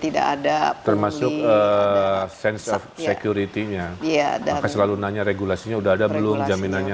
tidak ada termasuk sense of security nya selalu nanya regulasinya udah ada belum jaminannya